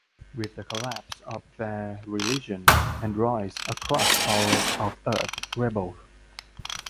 With the collapse of their religion, androids across all of Earth rebel.